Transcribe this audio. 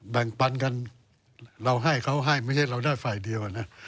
แบ่งปันกันเราให้เขาให้ไม่ใช่เราได้ฝ่ายเดียวนะ